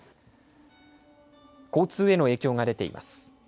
交通への影響が出ています。